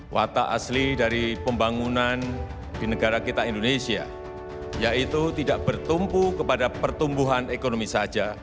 watak asli dari pembangunan di negara kita indonesia yaitu tidak bertumpu kepada pertumbuhan ekonomi saja